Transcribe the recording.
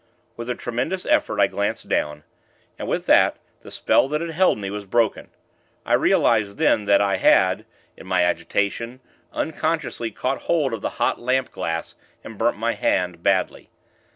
With a tremendous effort, I glanced down; and, with that, the spell that had held me was broken. I realized, then, that I had, in my agitation, unconsciously caught hold of the hot lamp glass, and burnt my hand, badly.